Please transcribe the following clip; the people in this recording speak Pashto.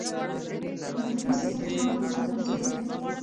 د هاضمې سیستم د غړو موقیعت په انځور کې دی.